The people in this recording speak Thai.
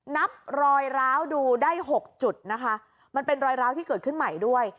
นับรอยร้าวดูได้หกจุดนะคะมันเป็นรอยร้าวที่เกิดขึ้นใหม่ด้วย